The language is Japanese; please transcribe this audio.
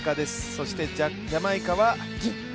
そしてジャマイカは銀。